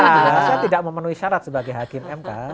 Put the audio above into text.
iya saya tidak memenuhi syarat sebagai hakim mk